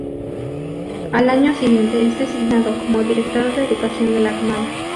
Al año siguiente es designado como director de Educación de la Armada.